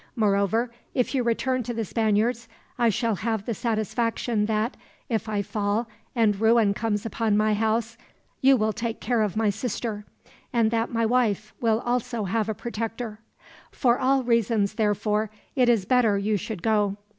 Moreover, if you return to the Spaniards, I shall have the satisfaction that, if I fall and ruin comes upon my house, you will take care of my sister, and that my wife will also have a protector. For all reasons, therefore, it is better you should go.